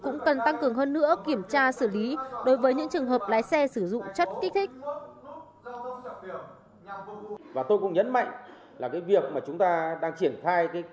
cũng cần tăng cường hơn nữa kiểm tra xử lý đối với những trường hợp lái xe sử dụng chất kích thích